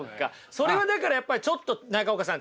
それはだからやっぱりちょっと中岡さん